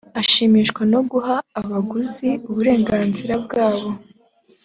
ashimishwa no guha abaguzi uburenganzira bwabo